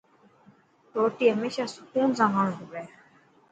روٽي هميشه سڪون سان کاڻ کپي.